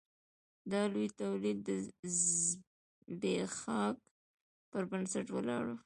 دا لوی تولید د ځبېښاک پر بنسټ ولاړ و.